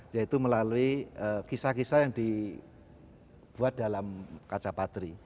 yaitu melalui kisah kisah yang dibuat dalam kaca patri